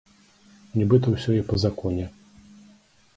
Нібыта ўсё і па законе.